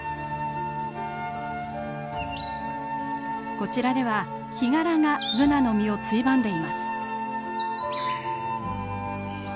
こちらではヒガラがブナの実をついばんでいます。